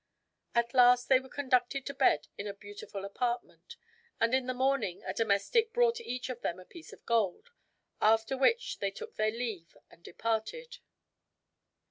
At last they were conducted to bed in a beautiful apartment; and in the morning a domestic brought each of them a piece of gold, after which they took their leave and departed.